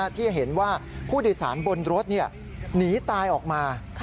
ที่เห็นว่าผู้โดยสารบนรถหนีตายออกมา